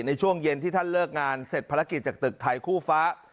ในช่วงเย็นที่ท่านเลิกงานเสร็จภารกิจจากตึกไทยคู่ฟ้า